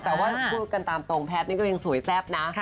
แต่ว่าพูดกันตามตรงแพทย์นี่ก็ยังสวยแซ่บนะ